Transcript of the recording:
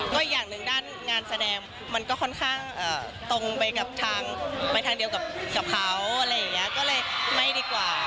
ก็อีกอย่างหนึ่งด้านงานแสดงมันก็ค่อนข้างตรงไปกับทางไปทางเดียวกับเขาอะไรอย่างนี้ก็เลยไม่ดีกว่า